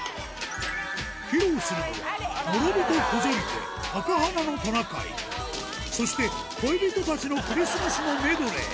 披露するのは、もろびとこぞりて、赤鼻のトナカイ、そして恋人たちのクリスマスのメドレー。